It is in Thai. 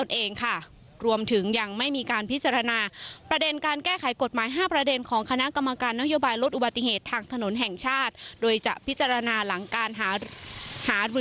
เดอร์๑รวมถึงยังไม่มีการพิจารณา